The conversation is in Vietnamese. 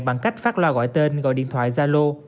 bằng cách phát loa gọi tên gọi điện thoại gia lô